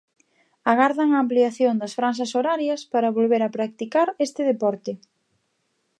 Agardan a ampliación das franxas horarias para volver a practicar este deporte.